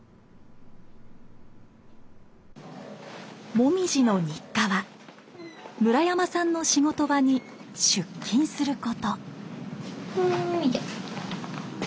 もみじの日課は村山さんの仕事場に「出勤」する事。